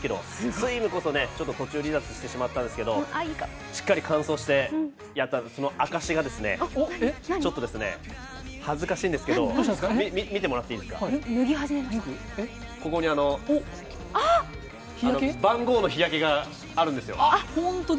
スイムこそ途中離脱してしまったんですが、しっかり完走してその証しがちょっと恥ずかしいんですけど、見てもらっていいですか、ここに番号の日焼けがあるんですよ。